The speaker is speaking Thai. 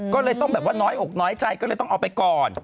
ก็เลยต้องแบบว่าน้อยอกน้อยใจก็เลยต้องเอาไปก่อน